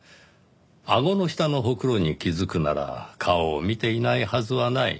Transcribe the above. あごの下のほくろに気づくなら顔を見ていないはずはない。